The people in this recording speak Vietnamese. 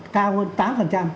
cao hơn tám